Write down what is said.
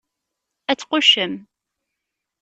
Ad tquccem!